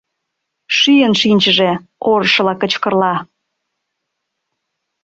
Шӱйын шинчыже! — орышыла кычкырла.